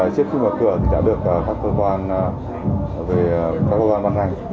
trước khi mở cửa thì đã được các cơ quan văn hành